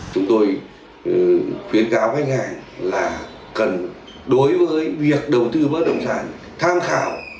chúng tôi khuyến cáo khách hàng là cần đối với việc đầu tư bất động sản tham khảo